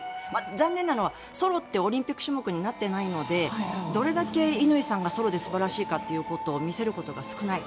残念なのはソロってオリンピック種目になっていないのでどれだけ乾さんがソロで素晴らしいかということを見せることが少ない。